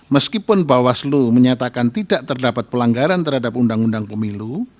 meskipun bawaslu menyatakan tidak terdapat pelanggaran terhadap undang undang pemilu